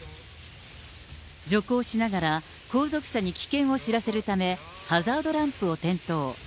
徐行しながら後続車に危険を知らせるため、ハザードランプを点灯。